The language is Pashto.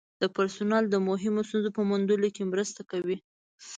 د پرسونل د مهمو ستونزو په موندلو کې مرسته کوي.